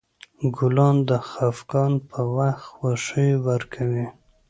ګلان د خفګان په وخت خوښي ورکوي.